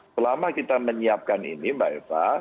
selama kita menyiapkan ini mbak eva